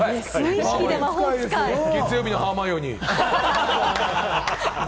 月曜日のハーマイオニー。